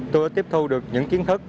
tôi đã tiếp thu được những kiến thức